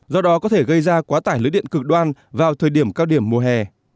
do đó có thể gây ra quá tải lưới điện cực đoan vào thời điểm cao điểm mùa hè